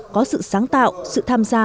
có sự sáng tạo sự tham gia